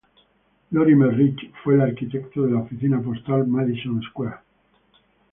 Lorimer Rich fue el arquitecto de la Oficina Postal Madison Square.